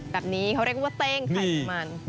แบบนี้เขาเรียกว่าเต้งไขมัน